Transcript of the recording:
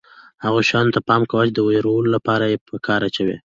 هغو شیانو ته پام کوه چې د وېرولو لپاره یې په کار اچوي.